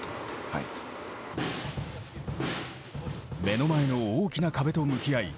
目の前の大きな壁と向き合い